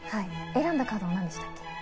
選んだカードは何でしたっけ？